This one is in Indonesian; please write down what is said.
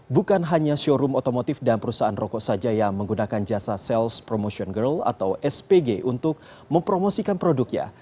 bukan hanya showroom otomotif dan perusahaan rokok saja yang menggunakan jasa sales promotion girl atau spg untuk mempromosikan produknya